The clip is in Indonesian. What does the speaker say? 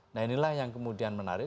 nah inilah yang kemudian menarik